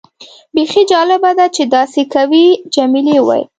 بیخي جالبه ده چې داسې کوي. جميلې وويل:.